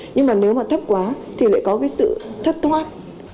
nhưng mà nếu mà thấp quá thì lại có cái sự thất thoát